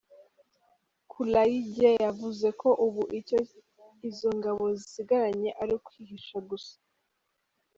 Kulayigye yavuze ko ubu icyo izo ngabo zisigaranye ari ukwihisha gusa.